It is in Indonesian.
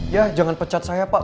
ya jangan pecat saya pak